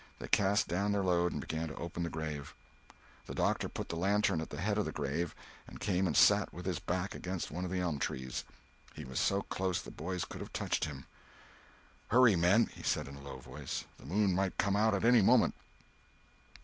They cast down their load and began to open the grave. The doctor put the lantern at the head of the grave and came and sat down with his back against one of the elm trees. He was so close the boys could have touched him. "Hurry, men!" he said, in a low voice; "the moon might come out at any moment."